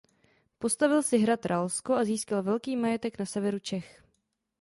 Postavil si hrad Ralsko a získal velký majetek na severu Čech.